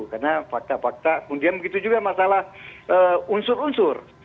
karena fakta fakta kemudian begitu juga masalah unsur unsur